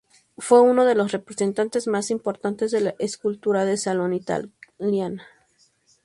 Fue uno de los representantes más importantes de la escultura de salón italiana.